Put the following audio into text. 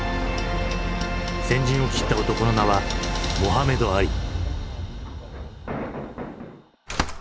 先陣を切った男の名はモハメド・アリ。